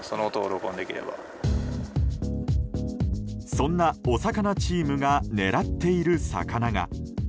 そんなお魚チームが狙っている魚が。